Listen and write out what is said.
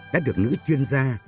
đã được nữ chuyên gia